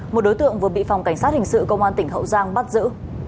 một đối tượng vừa bị phòng cảnh sát hình sự công an tỉnh hậu giang bắt giữ